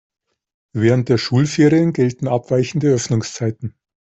Während der Schulferien gelten abweichende Öffnungszeiten.